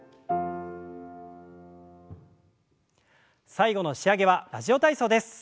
最後の仕上げは「ラジオ体操」です。